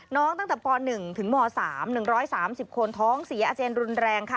น้องตั้งแต่ป๑ถึงม๓๑๓๐โค้นท้องเสียอาเจียนรุนแรง